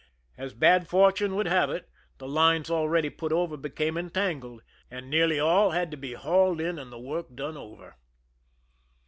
As bad fortune would have it, the lines already put over becarcLC entangled, and nearly all had to be hauled in, and the work done over.